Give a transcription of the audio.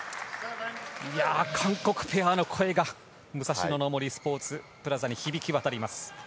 韓国ペアの声が武蔵野の森総合スポーツプラザに響き渡ります。